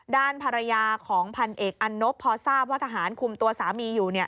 ด้านภรรยาของพันเอกอันนบพอทราบว่าทหารคุมตัวสามีอยู่